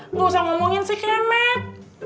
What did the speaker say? nggak usah ngomongin si kemen